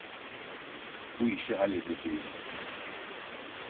Bu işi halledeceğim.